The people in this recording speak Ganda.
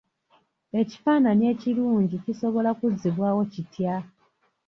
Ekifaananyi ekirungi kisobola kuzzibwawo kitya?